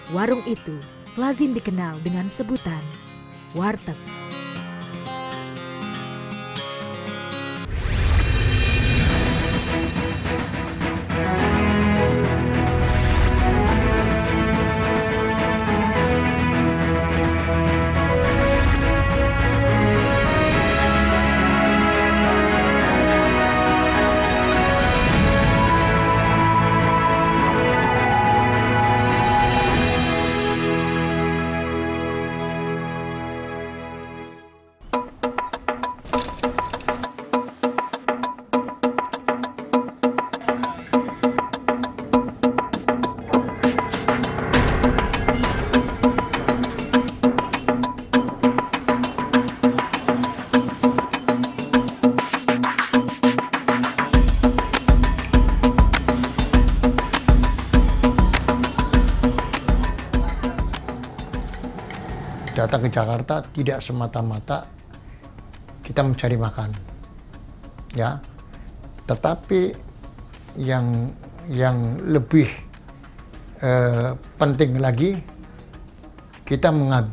warung itu kelazim dikenal dengan sebutan warteg